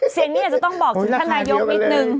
เสียงนี่อาจจะต้องบอกที่ธนายองนิดหนึ่ง